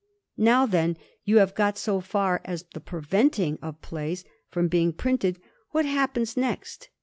Now then you have got so far as the preventing of plays from being printed, what happens next?